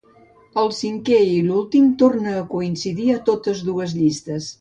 El cinquè i últim torna a coincidir a totes dues llistes.